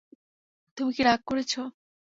তুমি রাগ করেছো?